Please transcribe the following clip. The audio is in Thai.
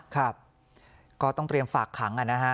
ครับก็ต้องเตรียมฝากขังนะฮะ